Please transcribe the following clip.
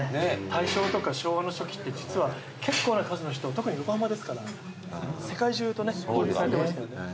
大正とか昭和の初期って実は結構な数の人特に横浜ですから世界中とね交流されてましたよね。